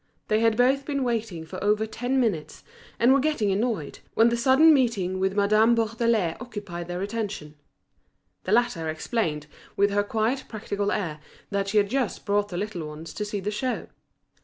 They had both been waiting for over ten minutes, and were getting annoyed, when the sudden meeting with Madame Bourdelais occupied their attention. The latter explained, with her quiet practical air, that she had just brought the little ones to see the show.